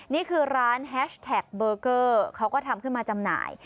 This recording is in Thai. นี่คือร้านแฮชแท็กเบอร์เกอร์เขาก็ทำขึ้นมาจำหน่าย